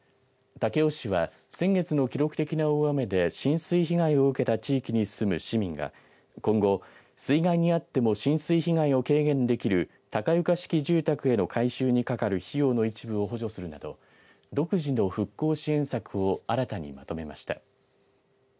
武雄市は先月の記録的な大雨で浸水被害を受けた地域に住む市民が今後、水害に遭っても浸水被害を軽減できる高床式住宅への改修にかかる費用の一部を補助するなど独自の復興支援策を新たにまとめました。